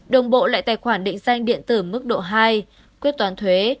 đồng bộ lại tài khoản định danh điện tử mức độ hai quyết toán thuế